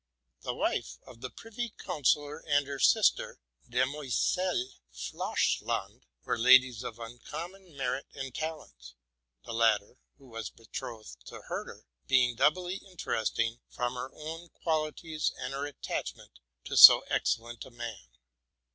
The wife of the privy councillor and her sister, Demoiselle Flachsland, were ladies of uncommon merit and talents; the latter, who was betrothed to Herder, being doubly interesting from her own qualities, and her attachment to so excellent a man.